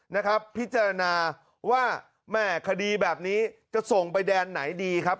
นะครับพิจารณาว่าแม่คดีแบบนี้จะส่งไปแดนไหนดีครับ